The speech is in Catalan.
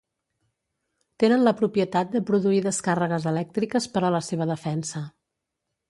Tenen la propietat de produir descàrregues elèctriques per a la seva defensa.